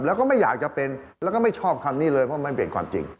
แล้วก็ไม่อยากจะเป็นแล้วก็ไม่ชอบคำนี้เลยเพราะมันเป็นความจริง